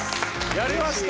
やりました。